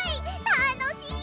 たのしい！